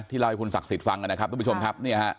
เล่าให้คุณศักดิ์สิทธิ์ฟังนะครับทุกผู้ชมครับ